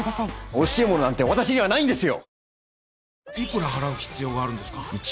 惜しいものなんて私にはないんですよ！